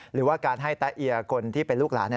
หรือว่าการให้แตะเอียคนที่เป็นลูกหลาน